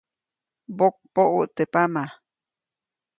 Mbokpäʼut teʼ pama.